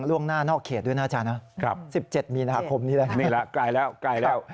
ล่วงหน้านอกเขตด้วยนะอาจารย์นะ๑๗มีนาคมนี้แล้วนี่แล้วไกลแล้วไกลแล้ว